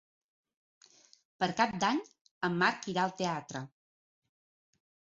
Per Cap d'Any en Marc irà al teatre.